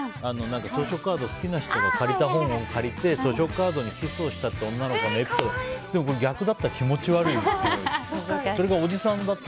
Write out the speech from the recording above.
図書カード好きな人が借りた本を図書カードにキスをしたって女の子のエピソードでも、これ逆だったら気持ち悪いっていう。